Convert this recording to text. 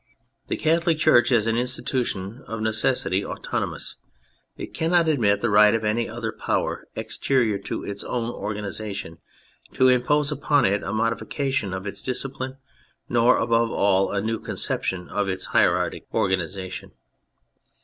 The Catholic Church is an institution of necessity autonomous. It cannot admit the right of any other power exterior to its own organisation to impose upon it a modifi cation of its discipline, nor, above all, a new conception of its hieratic organisation.